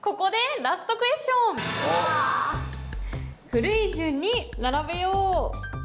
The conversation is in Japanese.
「古い順にならべよう」。